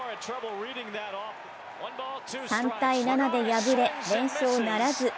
３−７で敗れ、連勝ならず。